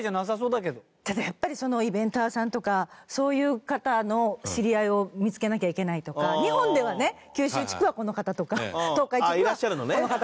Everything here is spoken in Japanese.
ただやっぱりイベンターさんとかそういう方の知り合いを見つけなきゃいけないとか日本ではね九州地区はこの方とか東海地区はこの方とか。ああいらっしゃるのね。